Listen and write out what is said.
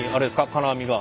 金網が？